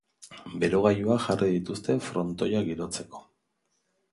Berogailuak jarri dituzte frontoia girotzeko.